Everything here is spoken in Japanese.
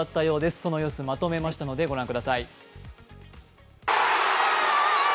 その様子、まとめましたのでご覧ください。